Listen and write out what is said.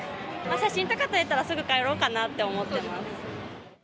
写真とか撮れたらすぐ帰ろうかなって思ってます。